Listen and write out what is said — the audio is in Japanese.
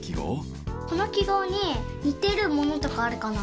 このきごうににてるものとかあるかな。